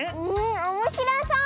おもしろそう！